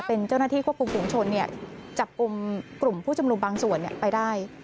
เป็นเจ้าหน้าที่ควบคุมฝุงชนจับกลุ่มกลุ่มผู้ชุมนุมบางส่วนไปได้